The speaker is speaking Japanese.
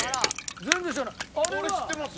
全然知らない。